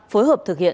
phối hợp thực hiện